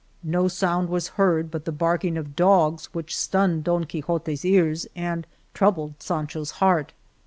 No sound was heard but the barking of dogs which stunned Don Quixote's ears and troubled Sancho's heart.